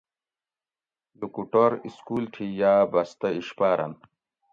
لوکوٹور سکول تھی یاۤ بستہ اِشپاۤرن